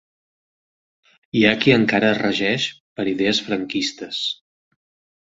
Hi ha qui encara es regeix per idees franquistes.